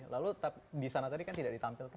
lalu di sana tadi kan tidak ditampilkan